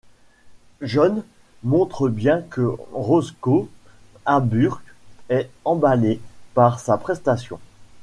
John montre bien que Roscoe Arbuckle est emballé par sa prestation.